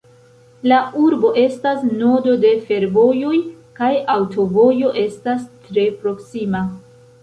La urbo estas nodo de fervojoj kaj aŭtovojo estas tre proksima.